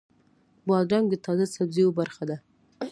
بادرنګ د تازه سبزیو برخه ده.